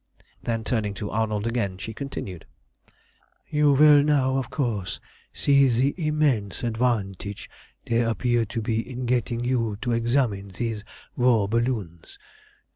Then, turning to Arnold again, she continued "You will now, of course, see the immense advantage there appeared to be in getting you to examine these war balloons.